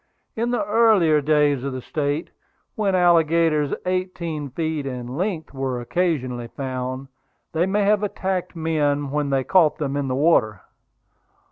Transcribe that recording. In the earlier days of the State, when alligators eighteen feet in length were occasionally found, they may have attacked men when they caught them in the water.